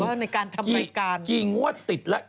อันนี้อาร์ดประสุทธิ์ก็ถูกแล้ว